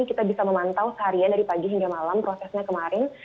kita bisa memantau seharian dari pagi hingga malam prosesnya kemarin